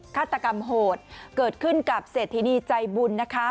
ฆาตกรรมโหดเกิดขึ้นกับเศรษฐินีใจบุญนะคะ